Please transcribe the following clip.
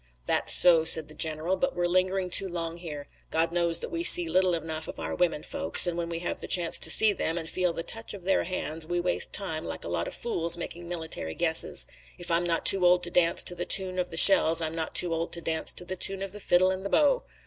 "That's so," said the general, "but we're lingering too long here. God knows that we see little enough of our women folks, and, when we have the chance to see them, and feel the touch of their hands, we waste our time like a lot of fools making military guesses. If I'm not too old to dance to the tune of the shells I'm not too old to dance to the tune of the fiddle and the bow.